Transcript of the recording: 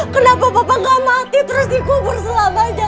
kenapa papa nggak mati terus dikubur selamanya